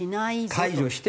解除して。